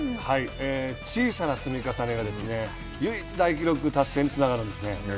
小さな積み重ねが唯一大記録達成につながるんですね。